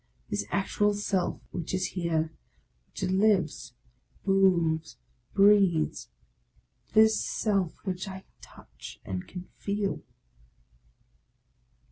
— this actual self which is here, which lives, moves, breathes, — this self which I touch and can feel!